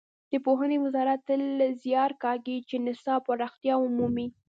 د پوهنې وزارت تل زیار کاږي چې نصاب پراختیا ومومي.